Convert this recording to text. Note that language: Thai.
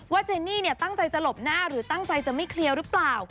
เจนี่เนี่ยตั้งใจจะหลบหน้าหรือตั้งใจจะไม่เคลียร์หรือเปล่า